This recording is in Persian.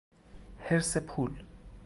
حرص پول